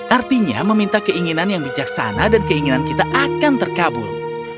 artinya meminta keinginan yang bijaksana dan keinginan kita akan terkabul